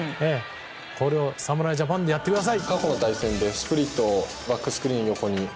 これを侍ジャパンでやってください。